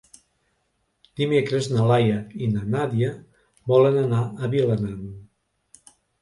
Dimecres na Laia i na Nàdia volen anar a Vilanant.